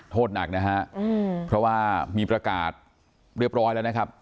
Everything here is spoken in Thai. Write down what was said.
โทษหนักนะฮะเพราะว่ามีประกาศเรียบร้อยแล้วนะครับ